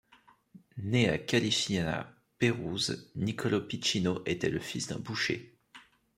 Né à Callisciana, Pérouse, Niccolò Piccinino était le fils d'un boucher.